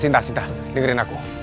sinta sinta dengerin aku